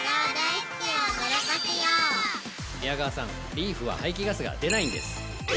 リーフは排気ガスが出ないんです！